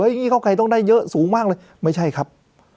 อย่างนี้เก้าไกลต้องได้เยอะสูงมากเลยไม่ใช่ครับ